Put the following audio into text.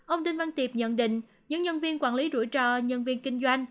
ông đinh văn tiệp nhận định những nhân viên quản lý rủi ro nhân viên kinh doanh